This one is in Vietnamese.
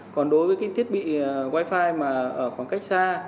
còn đối với cái thiết bị wifi mà ở khoảng cách xa